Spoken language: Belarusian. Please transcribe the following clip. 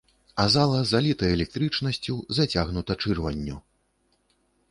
А зала заліта электрычнасцю, зацягнута чырванню.